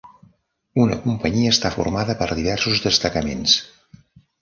Una companyia està formada per diversos destacaments.